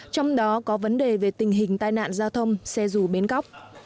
trong đó có vấn đề về tình hình tai nạn giao thông xe rù bến góc